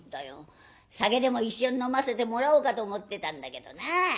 酒でも一緒に飲ませてもらおうかと思ってたんだけどな。